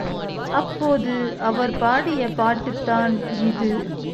அப்போது அவர் பாடிய பாட்டுத்தான் இது!